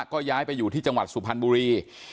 ก็ย้ายไปอยู่ที่จังหวัดสุพรรณบุรี